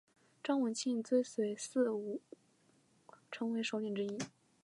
张文庆追随田五成为首领之一。